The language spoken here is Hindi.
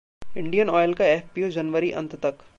इंडियन ऑयल का एफपीओ जनवरी अंत तक